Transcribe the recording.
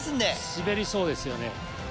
滑りそうですよね。